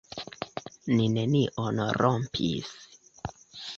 Ni nenion rompis.